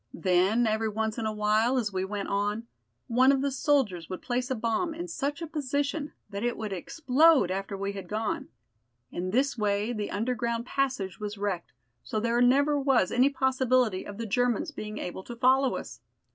Then every once in a while, as we went on, one of the soldiers would place a bomb in such a position that it would explode after we had gone. In this way the underground passage was wrecked, so there never was any possibility of the Germans being able to follow us.